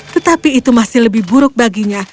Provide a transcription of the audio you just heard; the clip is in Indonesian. tetapi itu masih lebih buruk baginya